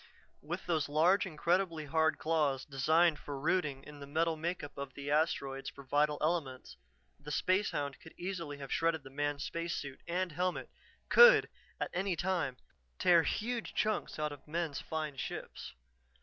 With those large, incredibly hard claws, designed for rooting in the metal make up of the asteroids for vital elements, the spacehound could easily have shredded the man's spacesuit and helmet, could, at any time, tear huge chunks out of men's fine ships.